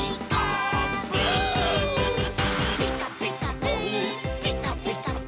「ピカピカブ！ピカピカブ！」